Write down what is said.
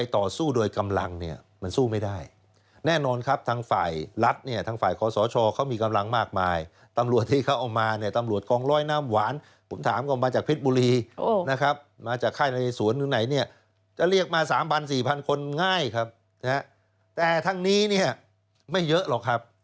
แต่ทั้งนี้เนี่ยไม่เยอะหรอกครับ